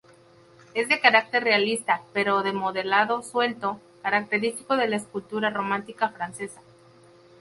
Es de carácter realista, pero de modelado suelto, característico de la escultura romántica francesa.